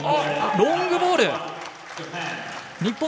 ロングボール！